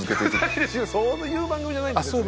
あそういう番組じゃないんですか。